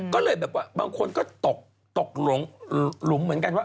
ก็เลยแบบว่าบางคนก็ตกหลุมเหมือนกันว่า